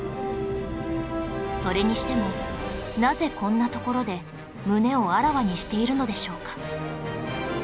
それにしてもなぜこんな所で胸をあらわにしているのでしょうか？